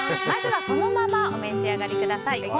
まずは、そのままお召し上がりください。